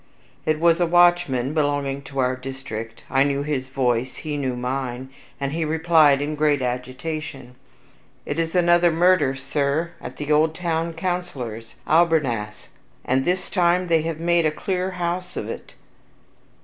It was a watchman belonging to our district. I knew his voice, he knew mine, and he replied in great agitation: "It is another murder, sir, at the old town councilor's, Albernass; and this time they have made a clear house of it."